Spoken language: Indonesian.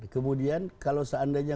kemudian kalau seandainya